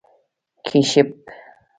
🐢 کېشپ